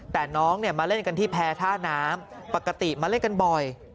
แต่น้องเนี่ยมาเล่นกันที่แพรท่าน้ำปกติมาเล่นกันบ่อย